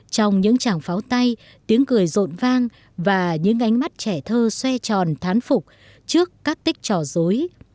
trong những chàng pháo tay tiếng cười rộn vang và những ánh mắt trẻ thơ xoay tròn thán phục trước các tích trò dối